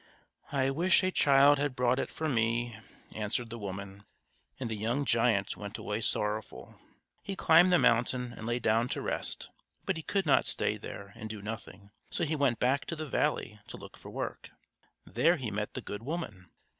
"I wish a child had brought it for me," answered the woman, and the young giant went away sorrowful. He climbed the mountain and lay down to rest; but he could not stay there and do nothing, so he went back to the valley to look for work. There he met the good woman.